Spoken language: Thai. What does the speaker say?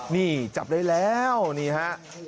นี่จับได้แล้วนี่ฮะ